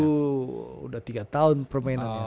sudah tiga tahun permainannya